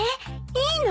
いいの？